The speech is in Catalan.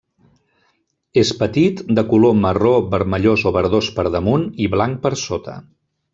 És petit de color marró, vermellós o verdós per damunt i blanc per sota.